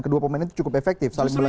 kedua pemain itu cukup efektif